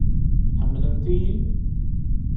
Ḥemmlent-iyi?